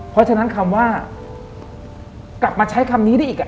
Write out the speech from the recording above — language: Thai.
เพราะฉะนั้นคำว่ากลับมาใช้คำนี้ได้อีก